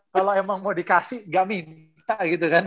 kalau emang mau dikasih gak minta gitu kan